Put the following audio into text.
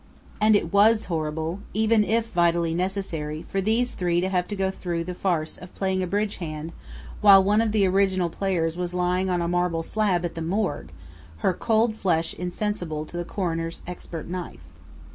And it was horrible even if vitally necessary for these three to have to go through the farce of playing a bridge hand while one of the original players was lying on a marble slab at the morgue, her cold flesh insensible to the coroner's expert knife.